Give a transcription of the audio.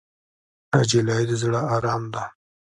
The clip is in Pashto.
نجلۍ د زړه ارام ده.